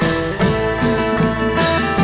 สวัสดีครับ